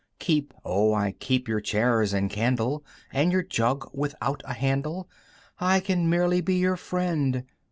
"Keep, oh I keep your chairs and candle, "And your jug without a handle, "I can merely be your friend!